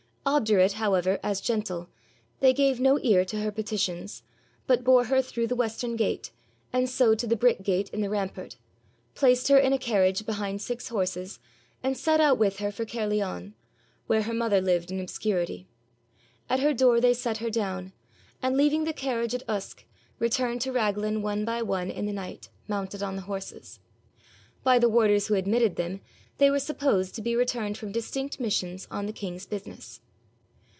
Obdurate however, as gentle, they gave no ear to her petitions, but bore her through the western gate, and so to the brick gate in the rampart, placed her in a carriage behind six horses, and set out with her for Caerleon, where her mother lived in obscurity. At her door they set her down, and leaving the carriage at Usk, returned to Raglan one by one in the night, mounted on the horses. By the warders who admitted them they were supposed to be returned from distinct missions on the king's business.